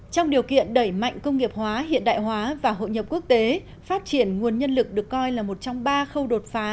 trong điều kiện đẩy mạnh công nghiệp hóa hiện đại hóa và hội nhập quốc tế phát triển nguồn nhân lực được coi là một trong ba khâu đột phá